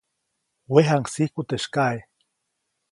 Wejaŋsiku teʼ sykaʼe.